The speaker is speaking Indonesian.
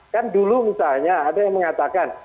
kan dulu misalnya ada yang mengatakan